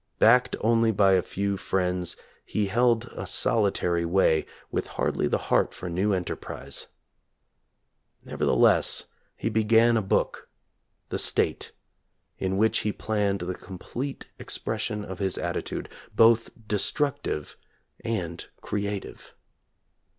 Backed only by a few friends, he held a solitary way, with hardly the heart for new enterprise. Nevertheless he began a book, "The State," in which he planned the complete expres sion of his attitude, both destructive and creative.